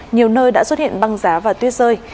nhiều nơi đã xuất hiện băng giá và tuyết rơi